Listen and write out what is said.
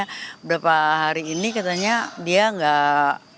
beberapa hari ini katanya dia nggak